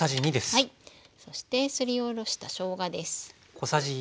そしてすりおろしたしょうがです。